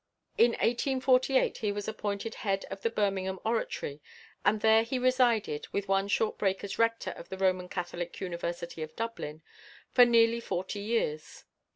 " In 1848 he was appointed head of the Birmingham Oratory, and there he resided with one short break as rector of the Roman Catholic University at Dublin for nearly forty years.